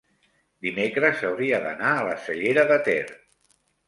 dimecres hauria d'anar a la Cellera de Ter.